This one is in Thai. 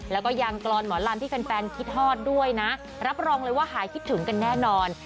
แล้วก็ยังกรอนหมอลำที่แฟนคิดฮอดด้วยนะรับรองเลยว่าหายคิดถึงกันแน่นอน